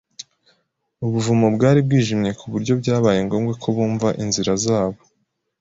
Ubuvumo bwari bwijimye ku buryo byabaye ngombwa ko bumva inzira zabo .